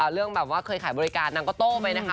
เรื่องแบบว่าเคยขายบริการนางก็โต้ไปนะคะ